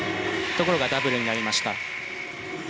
ところがダブルになりました。